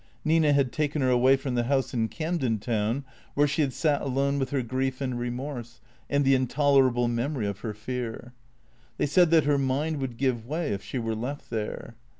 Nina had taken her away from the house in Camden Town, where she had sat alone with her grief and remorse and the intolerable memory of her fear. They said that her mind would give way if she were left there.